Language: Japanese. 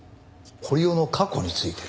堀尾の過去について？